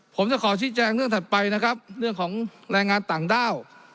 ผมจะขอชี้แจงเรื่องถัดไปนะครับเรื่องของแรงงานต่างด้าว